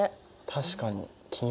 確かに気になる。